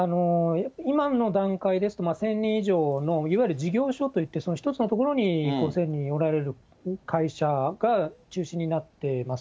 今の段階ですと、１０００人以上のいわゆる事業所といって、１つの所に１０００人おられる会社が中心になってます。